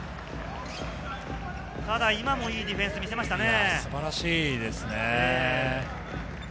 ただ今もいいディフェンスを見せましたね。